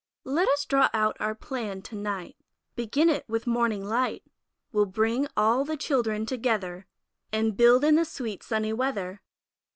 Let's draw out our plan to night, Begin it with morning light. We'll bring all the Children together And build in the sweet sunny weather.